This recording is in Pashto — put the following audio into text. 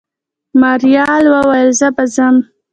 ماريا وويل زه به ځم.